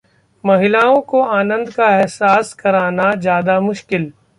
महिलाओं को आनंद का एहसास कराना ज्यादा मुश्किल?